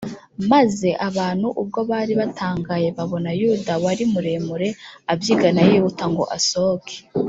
maze abantu ubwo bari batangaye babona yuda wari muremure, abyigana yihuta ngo asohoke